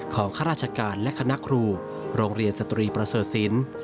ข้าราชการและคณะครูโรงเรียนสตรีประเสริฐศิลป์